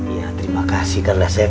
ya terima kasih kang dasep